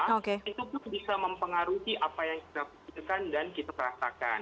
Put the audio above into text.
itu pun bisa mempengaruhi apa yang kita perhatikan